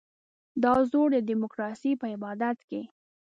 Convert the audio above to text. دا زور د ډیموکراسۍ په عبادت کې.